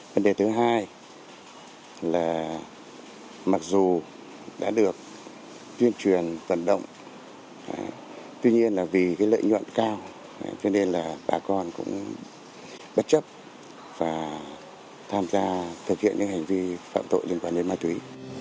vấn đề thứ hai là mặc dù đã được tuyên truyền vận động tuy nhiên là vì cái lợi nhuận cao cho nên là bà con cũng bất chấp và tham gia thực hiện những hành vi phạm tội liên quan đến ma túy